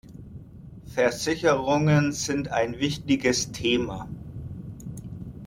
Versicherungen sind ein wichtiges Thema.